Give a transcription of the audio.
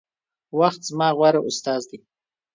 وخت زما غوره استاذ دے